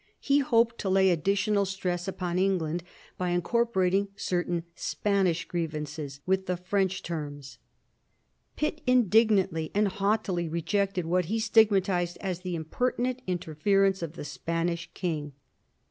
He hoped to lay additional stress upon England by incorporating certain Spanish grievances with the French terms. Pitt indignantly and haughtily re jected what he stigmatised as the impertinent interfer ence of the Spanish king.